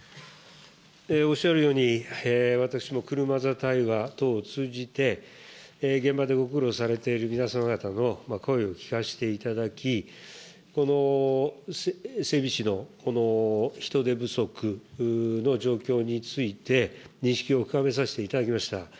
おっしゃるように、私も車座対話等を通じて、現場でご苦労されている皆様方の声を聞かせていただき、この整備士のこの人手不足の状況について、認識を深めさせていただきました。